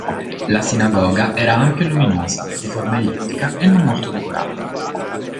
La sinagoga era ampia e luminosa, di forma ellittica e non molto decorata.